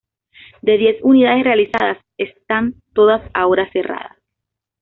De diez unidades realizadas, están todas ahora cerradas.